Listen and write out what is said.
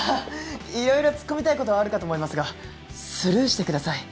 いろいろつっこみたい事はあるかと思いますがスルーしてください。